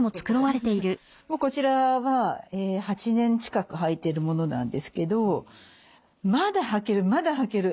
もうこちらは８年近くはいてるものなんですけどまだはける。